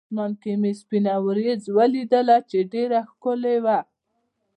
په اسمان کې مې سپینه ورېځ ولیدله، چې ډېره ښکلې وه.